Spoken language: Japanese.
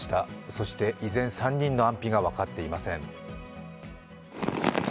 そして依然、３人の安否が分かっていません。